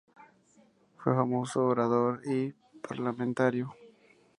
Fue famoso orador y parlamentario.